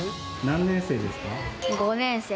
何年生ですか？